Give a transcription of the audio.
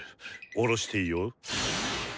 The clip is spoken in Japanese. おろしていいよ」。